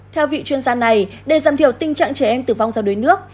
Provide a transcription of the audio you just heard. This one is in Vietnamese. theo vị chuyên gia này để giảm thiểu tình trạng trẻ em tử vong do đuối nước